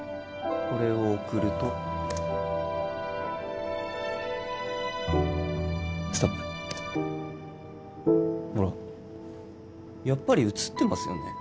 これを送るとストップほらやっぱり写ってますよね